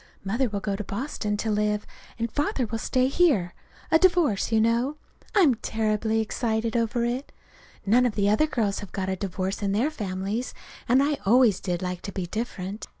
Mother will go to Boston to live, and Father will stay here a divorce, you know. I'm terribly excited over it. None of the other girls have got a divorce in their families, and I always did like to be different.